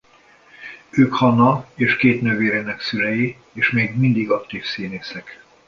Ők Hannah és két nővérének szülei és még mindig aktív színészek.